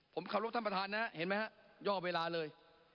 ผมขอบรับท่านประธานนะครับเห็นไหมครับย่อเวลาเลย